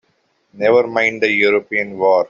Never mind the European war!